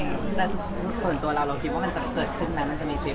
แต่ส่วนตัวเราเราคิดว่ามันจะเกิดขึ้นไหมมันจะมีคลิปตรงนี้เกิดขึ้นไหม